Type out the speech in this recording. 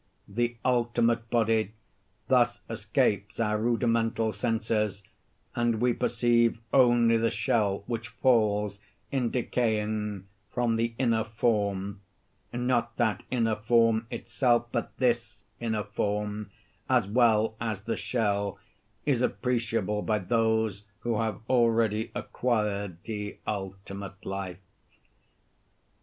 The ultimate body thus escapes our rudimental senses, and we perceive only the shell which falls, in decaying, from the inner form; not that inner form itself; but this inner form, as well as the shell, is appreciable by those who have already acquired the ultimate life.